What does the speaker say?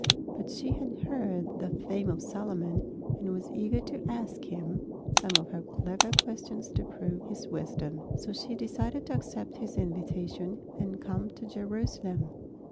But she had heard the fame of Solomon and was eager to ask him some of her clever questions to prove his wisdom. So she decided to accept his invitation and come to Jerusalem.